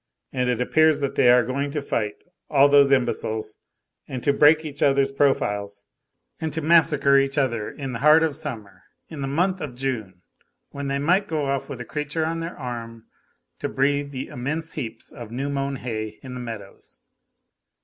And it appears that they are going to fight, all those imbeciles, and to break each other's profiles and to massacre each other in the heart of summer, in the month of June, when they might go off with a creature on their arm, to breathe the immense heaps of new mown hay in the meadows!